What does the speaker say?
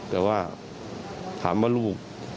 แต่ว่าถามว่าลูก